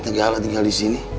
tegala tinggal di sini